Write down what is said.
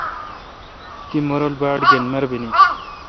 تی مہ رل باڑ گین مربینی۔